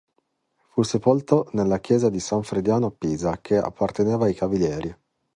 Fu sepolto nella chiesa di San Frediano a Pisa, che apparteneva ai cavalieri.